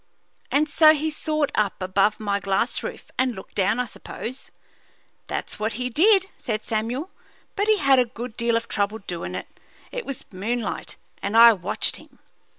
"And so he soared up above my glass roof and looked down, I suppose?" "That's what he did," said Samuel; "but he had a good deal of trouble doin' it. It was moonlight, and I watched him."